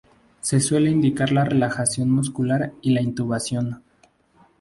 Se suele indicar la relajación muscular y la intubación.